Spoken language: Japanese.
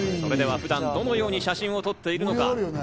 普段、どのように写真を撮っているのか？